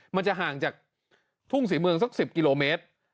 มันจะห่างจากทุ่งศรีเมืองสัก๑๐กิโลเมตร